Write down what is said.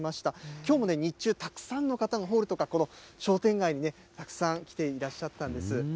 きょうもね、日中、たくさんの方がホールとかこの商店街にたくさん来ていらっしゃったんです。